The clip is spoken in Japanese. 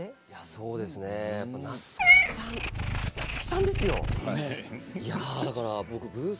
そうですね夏木さん夏木さんですよ？